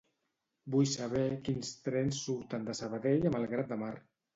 Vull saber quins trens surten de Sabadell a Malgrat de Mar.